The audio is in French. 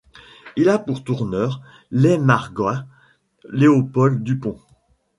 Il a pour tourneur l'aimarguois Léopold Dupont.